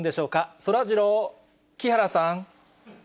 そらジロー、木原さん。